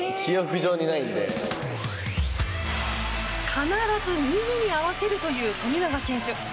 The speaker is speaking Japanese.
必ず縫い目に合わせるという富永選手。